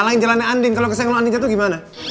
halangin jalannya andin kalau kesayangan andin jatuh gimana